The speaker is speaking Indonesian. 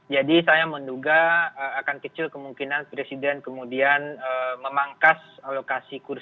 jadi saya menduga akan kecil kemungkinan presiden kemudian memangkas alokasi kursi partai partai yang sudah berada di kabinet